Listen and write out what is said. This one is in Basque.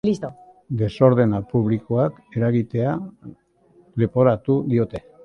Desordena publikoak eragitea leporatu diote.